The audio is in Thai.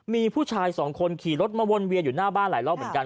มีผู้ชายสองคนขี่รถมาวนเวียนอยู่หน้าบ้านหลายรอบเหมือนกัน